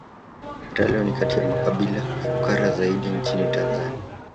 Hata leo ni kati ya makabila fukara zaidi nchini Tanzania